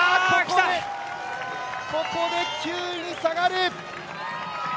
ここで９位に下がる。